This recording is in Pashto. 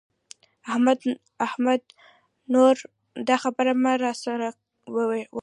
احمده! نور دا خبره مه را سره ورېشه.